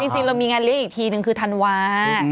จริงเรามีงานเลี้ยงอีกทีนึงคือธันวา